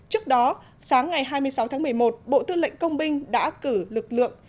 trước đó sáng ngày hai mươi sáu tháng một mươi một bộ tư lệnh công binh đã cử lực lượng